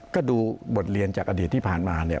ก็ดูบทเรียนจากอดีตที่ผ่านมาเนี่ย